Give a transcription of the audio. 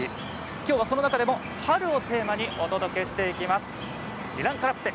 きょうはその中でも春をテーマにお届けしていきます。